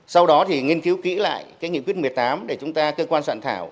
sau đó thì nghiên cứu kỹ lại cái nghị quyết một mươi tám để chúng ta cơ quan soạn thảo